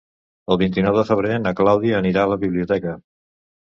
El vint-i-nou de febrer na Clàudia anirà a la biblioteca.